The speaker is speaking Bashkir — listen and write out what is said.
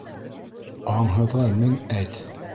Аңһыҙға мең әйт.